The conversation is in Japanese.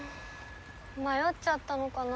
迷っちゃったのかな。